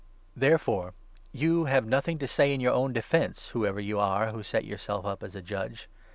Therefore you have nothing to say in your own defence, i whoever you are who set yourself up as a judge.